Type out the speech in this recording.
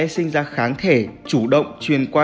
sinh ra kháng thể chủ động truyền qua